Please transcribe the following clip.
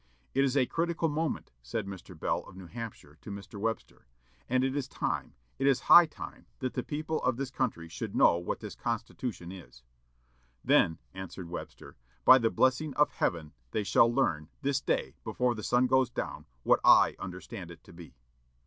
"It is a critical moment," said Mr. Bell, of New Hampshire, to Mr. Webster, "and it is time, it is high time, that the people of this country should know what this Constitution is." "Then," answered Webster, "by the blessing of Heaven they shall learn, this day, before the sun goes down, what I understand it to be."